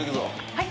はい。